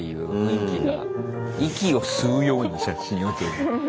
「息を吸うように写真を撮る」。